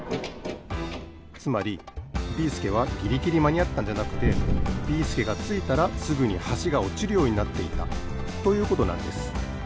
つまりビーすけはギリギリまにあったんじゃなくてビーすけがついたらすぐにはしがおちるようになっていたということなんです。